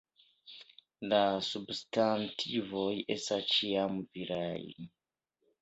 La substantivoj estas ĉiam viraj.